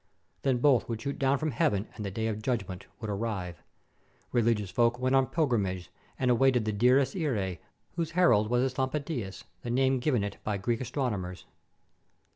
Then both would shoot down from heaven, and the Day of Judgment would arrive. Religious folk went on pilgrimages and awaited the Dies ires, whose herald was this Lampadias, the name given it by Greek astron omers.